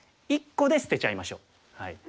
１個で捨てちゃいましょう。